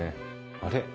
あれ？